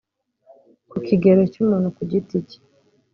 Ku kigero cy’umuntu ku giti cye